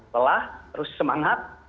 lelah terus semangat